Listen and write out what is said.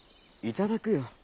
いただくよ。